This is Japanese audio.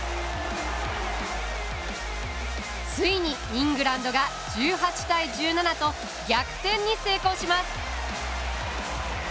ついに、イングランドが１８対１７と逆転に成功します。